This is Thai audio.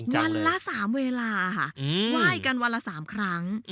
วันละ๓เวลาค่ะไหว้กันวันละ๓ครั้ง